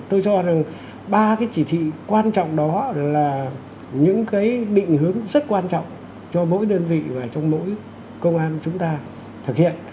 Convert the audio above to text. tôi cho rằng ba cái chỉ thị quan trọng đó là những cái định hướng rất quan trọng cho mỗi đơn vị và trong mỗi công an chúng ta thực hiện